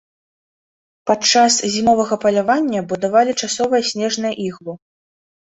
Падчас зімовага палявання будавалі часовыя снежныя іглу.